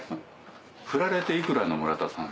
フラれていくらの村田さん。